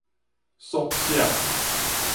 縮寫